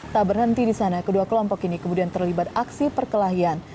tak berhenti di sana kedua kelompok ini kemudian terlibat aksi perkelahian